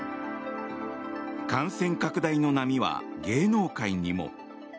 感染拡大の波は芸能界にも。